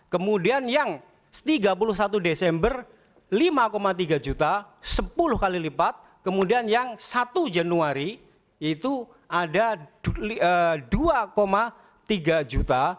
kemudian yang tiga puluh satu desember lima tiga juta sepuluh kali lipat kemudian yang satu januari itu ada dua tiga juta